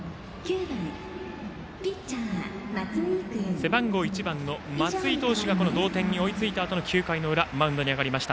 背番号１番の松井投手が同点に追いついた９回裏のマウンドに上がりました。